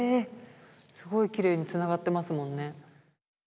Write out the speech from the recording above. すごいきれいにつながってますもんね。